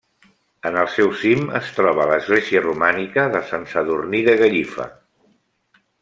En el seu cim es troba l'església romànica de Sant Sadurní de Gallifa.